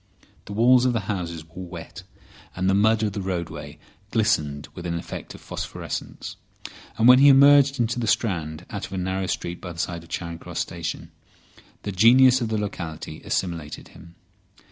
The walls of the houses were wet, the mud of the roadway glistened with an effect of phosphorescence, and when he emerged into the Strand out of a narrow street by the side of Charing Cross Station the genius of the locality assimilated him.